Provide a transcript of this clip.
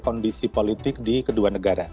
kondisi politik di kedua negara